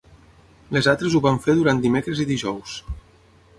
Les altres ho van fer durant dimecres i dijous.